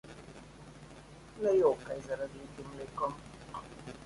Ne jokaj za razlitim mlekom.